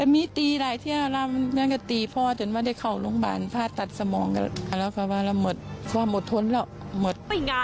มีตีหลายที่มีแม้ว่าตีพ่อเกิดเข้าโรงพยาบาลผ้าตัดสมองก็ก็มีความอดทนแล้วหมด